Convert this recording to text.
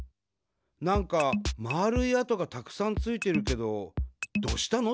なんかまるい跡がたくさんついてるけどどうしたの？